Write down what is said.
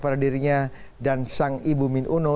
pada dirinya dan sang ibu min uno